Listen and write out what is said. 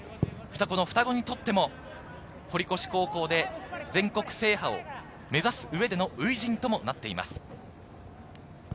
双子にとっても堀越高校で全国制覇を目指す上での初陣ともなっています。